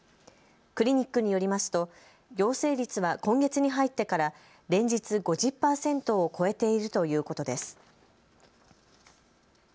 クリニックによりますと陽性率は今月に入ってから連日５０％を超えているということです。